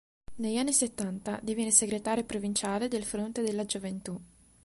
Negli anni settanta diviene segretario provinciale del Fronte della Gioventù.